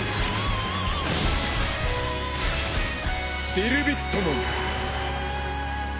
ディルビットモン！